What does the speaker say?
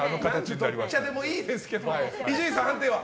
どちらでもいいですけど伊集院さん、判定は？